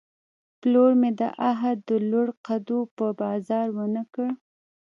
پلور مې د عهد، د لوړ قدو په بازار ونه کړ